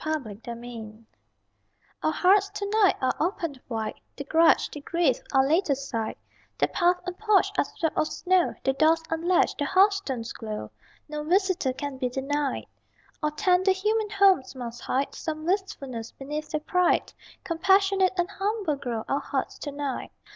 _] CHRISTMAS EVE Our hearts to night are open wide, The grudge, the grief, are laid aside: The path and porch are swept of snow, The doors unlatched; the hearthstones glow No visitor can be denied. All tender human homes must hide Some wistfulness beneath their pride: Compassionate and humble grow Our hearts to night.